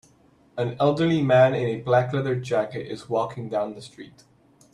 An elderly man in a black leather jacket is walking down the street.